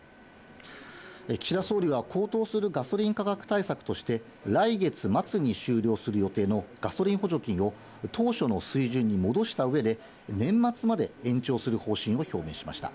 岸田総理は高騰するガソリン価格対策として、来月末に終了する予定のガソリン補助金を、当初の水準に戻したうえで、年末まで延長する方針を表明しました。